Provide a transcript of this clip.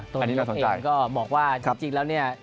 ตัวเล็กเองก็บอกว่าจริงแล้วเนี่ย